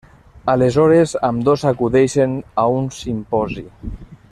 Aleshores ambdós acudeixen a un simposi.